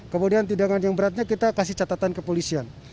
kemudian tindakan yang beratnya kita kasih catatan ke polisian